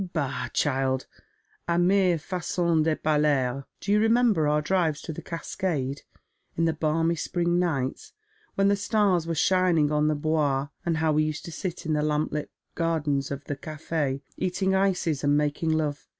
" Bah, child, a mere faqon de parler. Do you remember our drives to the Cascade, in the balmy spring nights, when the stars were shining on the Bois, and how we used to sit in the lamp lit gardens of the cafe, eating ices and making love